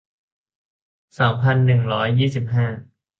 สามพันหนึ่งร้อยยี่สิบห้า